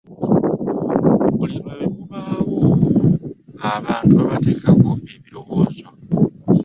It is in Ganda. Buli lwe bubaawo abantu babateekako ebirowoozo.